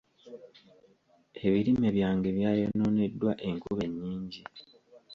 Ebirime byange byayonooneddwa enkuba ennyingi.